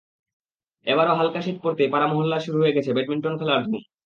এবারও হালকা শীত পড়তেই পাড়া-মহল্লায় শুরু হয়ে গেছে ব্যাডমিন্টন খেলার ধুম।